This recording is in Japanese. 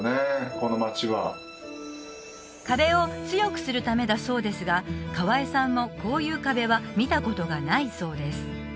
この町は壁を強くするためだそうですが河江さんもこういう壁は見たことがないそうです